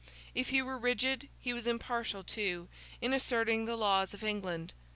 If he were rigid, he was impartial too, in asserting the laws of England.